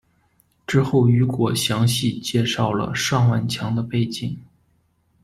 之后雨果详细介绍了尚万强的背景。